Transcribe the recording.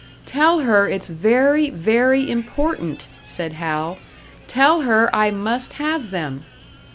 "Tell her it's very, very important," said Hal. "Tell her I must have them."